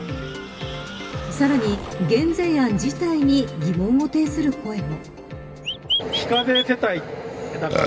さらに、減税案事態に疑問を呈する声も。